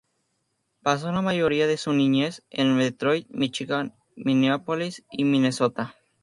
Pasó la mayoría de su niñez en Detroit, Míchigan, Minneapolis y Minnesota.